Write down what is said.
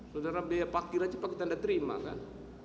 sudah nanti pakai tanda terima kan